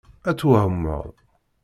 Ad twehmeḍ!